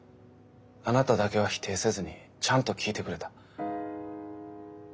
あなただけは否定せずにちゃんと聞いてくれた。